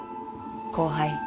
後輩。